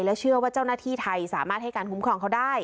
เชื่อว่าเจ้าหน้าที่ไทยสามารถให้การคุ้มครองเขาได้